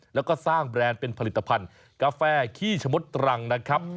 แล้วก็สร้างแบรนด์เป็นผลิตภัณฑ์กาแฟขี้ชะมดตรังนะครับ